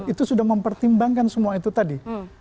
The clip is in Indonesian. itu sudah mempertimbangkan semua itu tadi